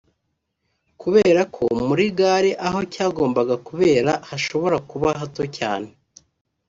kubera ko muri Gare aho cyagombaga kubera bashoboraga kuba hato cyane